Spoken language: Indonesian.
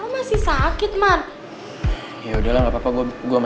masih sakit man ya udah enggak apa apa